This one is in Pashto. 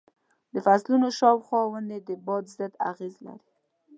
د فصلونو شاوخوا ونې د باد ضد اغېز لري.